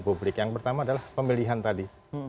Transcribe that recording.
publik yang pertama adalah pemilihan tadi